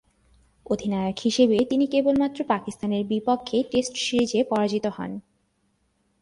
অধিনায়ক হিসেবে তিনি কেবলমাত্র পাকিস্তানের বিপক্ষে টেস্ট সিরিজে পরাজিত হন।